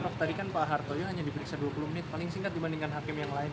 prof tadi kan pak hartoyo hanya diperiksa dua puluh menit paling singkat dibandingkan hakim yang lain